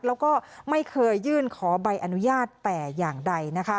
แล้วก็ไม่เคยยื่นขอใบอนุญาตแต่อย่างใดนะคะ